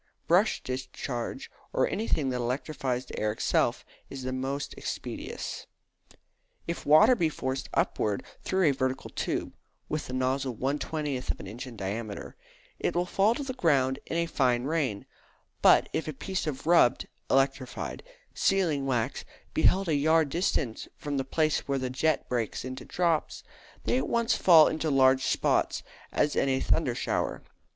Brush discharge, or anything that electrifies the air itself, is the most expeditious. If water be forced upwards through a vertical tube (with a nozzle one twentieth of an inch in diameter), it will fall to the ground in a fine rain; but, if a piece of rubbed (electrified) sealing wax be held a yard distant from the place where the jet breaks into drops, they at once fall in large spots as in a thunder shower.